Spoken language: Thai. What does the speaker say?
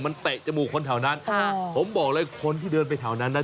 มันเตะจมูกคนแถวนั้นค่ะผมบอกเลยคนที่เดินไปแถวนั้นน่ะ